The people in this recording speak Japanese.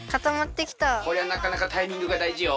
これはなかなかタイミングがだいじよ。